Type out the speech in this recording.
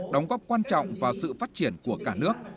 đóng góp quan trọng vào sự phát triển của cả nước